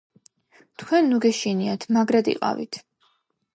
თქვენ ნუ გეშინიათ, მაგრად იყავით.